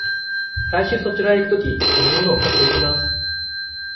来週そちらへ行くとき、飲み物を買っていきます。